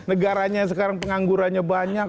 negaranya sekarang penganggurannya banyak